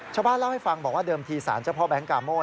ชาวบ้านเล่าให้ฟังบอกว่าเดิมทีสารเจ้าพ่อแก๊งกาโม่